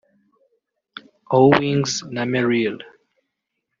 Owings na Merrill